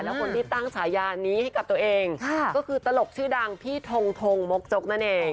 แล้วคนที่ตั้งฉายานี้ให้กับตัวเองก็คือตลกชื่อดังพี่ทงทงมกจกนั่นเอง